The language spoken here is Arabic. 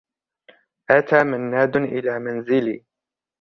أتى منّاد إلى منزلي.